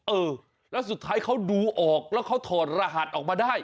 เออแล้วสุดท้ายเขาดูออกแล้วเขาถอดรหัสออกมาได้